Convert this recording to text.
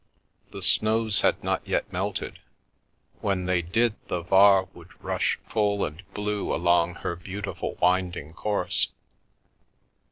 The snows had not yet melted; when they did the Var would rush full and blue along her beautiful winding course.